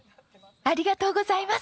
ありがとうございます！